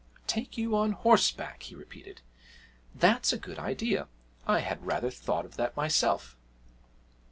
'Take you on horseback?' he repeated. 'That's a good idea I had rather thought of that myself.'